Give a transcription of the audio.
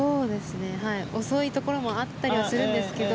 遅いところもあったりするんですけど